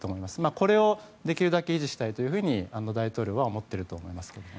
これをできるだけ維持したいと大統領は思っていると思いますけどね。